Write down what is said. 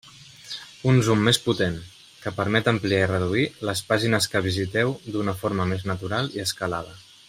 Un zoom més potent, que permet ampliar i reduir les pàgines que visiteu d'una forma més natural i escalada.